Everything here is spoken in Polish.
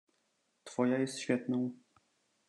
"Twoja jest świetną."